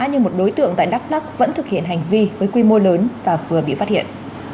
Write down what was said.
nhưng một đối tượng tại đắk lắc vẫn thực hiện hành vi với quy mô lớn và vừa bị phát hiện